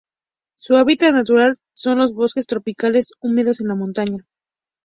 Su hábitat natural son los bosques tropicales húmedos de montaña.